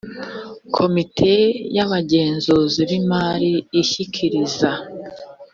komite y abagenzuzi b imari ishyikiriza